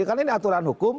karena ini aturan hukum